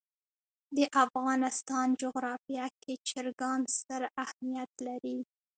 د افغانستان جغرافیه کې چرګان ستر اهمیت لري.